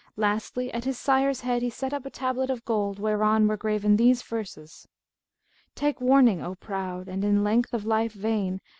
Lastly at his sire's head he set up a tablet of gold whereon were graven these verses, 'Take warning O proud, * And in length o' life vain!